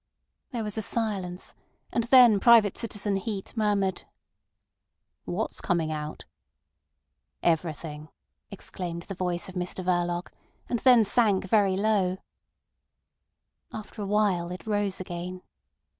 There was a silence, and then Private Citizen Heat murmured: "What's coming out?" "Everything," exclaimed the voice of Mr Verloc, and then sank very low. After a while it rose again.